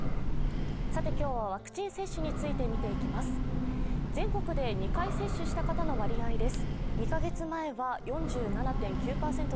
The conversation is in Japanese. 今日はワクチン接種について見ていきます。